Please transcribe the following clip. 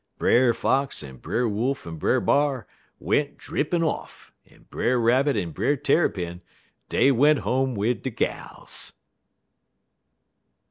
"Brer Fox en Brer Wolf en Brer B'ar went drippin' off, en Brer Rabbit en Brer Tarrypin, dey went home wid de gals."